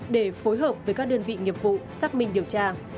để phối hợp với các đơn vị nghiệp vụ xác minh điều tra